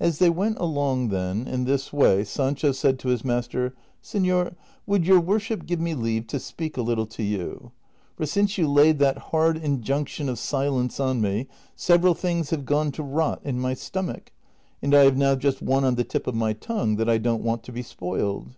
As they went along, then, in this way Sancho said to his master, *' Senor, would your worship give me leave to speak a little to you? For since you laid that hard injunction of silence on me several things have gone to rot in my stomach, and I have now just one on the tip of my tongue that I don't want to be spoiled."